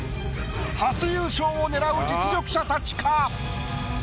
初優勝を狙う実力者たちか？